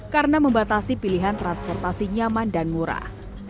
karena membatasi pilihan transportasi nyaman dan murah